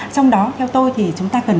trong đó theo tôi thì chúng ta cần